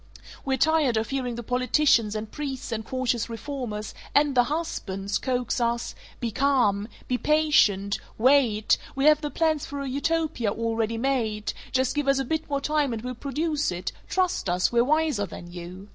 We're tired of hearing the politicians and priests and cautious reformers (and the husbands!) coax us, 'Be calm! Be patient! Wait! We have the plans for a Utopia already made; just give us a bit more time and we'll produce it; trust us; we're wiser than you.'